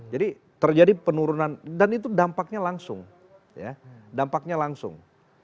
jadi terjadi penurunan dan itu dampaknya langsung ya dampaknya langsung